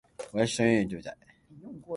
私は鳥のように飛びたい。